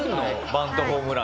バントホームランって。